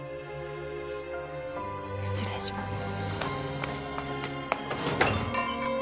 失礼します。